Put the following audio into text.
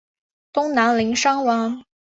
东南邻山王。